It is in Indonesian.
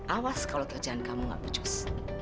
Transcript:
awas kalau kerjaan kamu gak putus